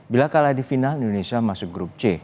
bila kalah di final indonesia masuk grup c